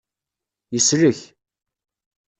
Yeslek.